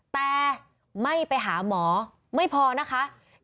แต่ไม่ไปหาหมอไม่พอนะคะ